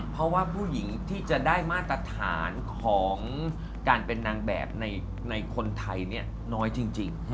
เพราะว่าผู้หญิงที่จะได้มาตรฐานของการเป็นนางแบบในคนไทยเนี่ยน้อยจริง